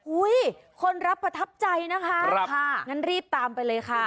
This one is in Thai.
อุ้ยคนรับประทับใจนะคะครับค่ะงั้นรีบตามไปเลยค่ะ